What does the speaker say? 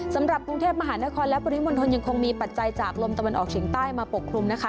สำหรับกรุงเทพมหานครและปริมณฑลยังคงมีปัจจัยจากลมตะวันออกเฉียงใต้มาปกคลุมนะคะ